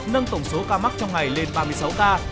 nâng tổng số ca mắc trong ngày lên ba mươi sáu ca